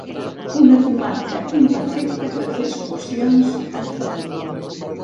Una comarca imperfecte per fer excursions en família.